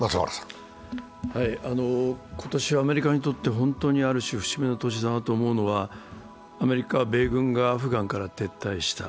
今年、アメリカにとってある種、節目の年だと思うのはアメリカは米軍がアフガンから撤退した。